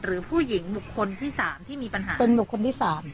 หรือผู้หญิงบุคคลที่๓ที่มีปัญหาเป็นบุคคลที่๓